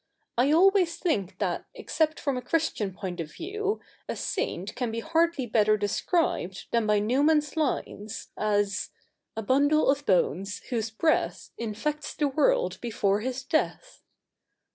I always think that, except from a Christian point of view, a saint can be hardly better described than by Newman's lines, as — A bundle of bones, whose breath Infects the world before his death.'